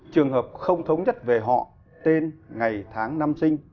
trường hợp không thống nhất về họ tên ngày tháng năm sinh